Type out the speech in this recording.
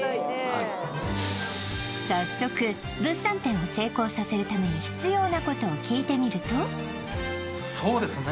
はい早速物産展を成功させるために必要なことを聞いてみるとそうですね